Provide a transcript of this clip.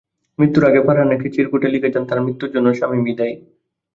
মৃত্যুর আগে ফারহানা একটি চিরকুটে লিখে যান তাঁর মৃত্যুর জন্য শামীমই দায়ী।